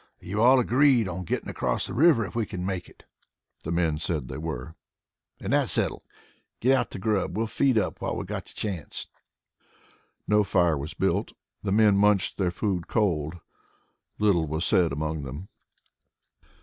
Are you all agreed on getting across the river if we can make it?" The men said they were. "Then that's settled. Get out the grub. We'll feed up while we've got the chance." No fire was built. The men munched their food cold. Little was said among them.